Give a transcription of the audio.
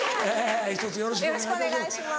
ひとつよろしくお願いします。